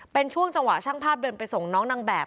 เป็นช่วงจังหวะช่างภาพเดินไปส่งน้องนางแบบ